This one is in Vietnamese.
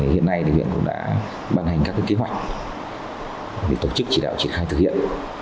hiện nay huyện cũng đã ban hành các kế hoạch để tổ chức chỉ đạo triển khai thực hiện